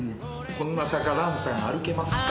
「こんな坂蘭さんが歩けますか」